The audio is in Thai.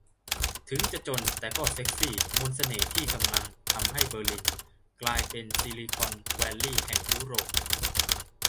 'ถึงจะจนแต่ก็เซ็กซี' มนต์เสน่ห์ที่กำลังทำให้เบอร์ลินกลายเป็น 'ซิลิคอนแวลลีย์' แห่งยุโรป